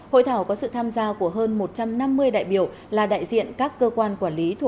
hội thảo có sự tham gia của hơn một trăm năm mươi đại biểu là đại diện các cơ quan quản lý